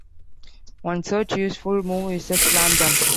One such useful move is the slam-dunk.